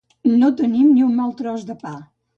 No teníem ni un mal tros de pa.